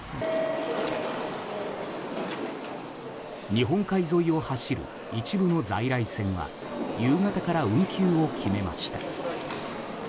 日本海沿いを走る一部の在来線は夕方から運休を決めました。